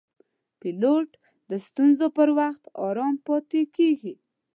پیلوټ د ستونزو پر وخت آرام پاتې کېږي.